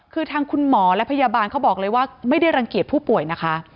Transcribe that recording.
คือทางคุณหมอและพยาบาลเขาบอกเลยว่าไม่ได้รังเกียจผู้ป่วยนะคะ